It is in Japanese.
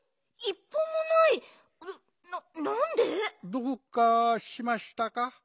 どうかしましたか？